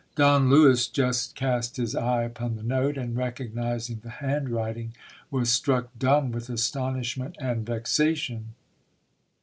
Don Lewis just aist his eye upon the note, and recognizing the handwriting, was struck dumb 138 GIL BLAS. with astonishment and vexation.